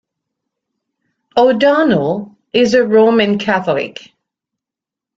O'Donnell is a Roman Catholic.